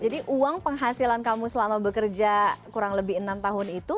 jadi uang penghasilan kamu selama bekerja kurang lebih enam tahun itu